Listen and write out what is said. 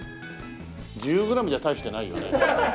１０グラムじゃ大してないよね。